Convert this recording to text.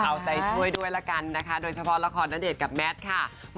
เอาใจช่วยด้วยละกันนะคะโดยเฉพาะละครณเดชน์กับแมทค่ะ